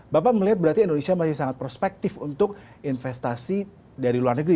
bapak melihat berarti indonesia masih sangat prospektif untuk investasi dari luar negeri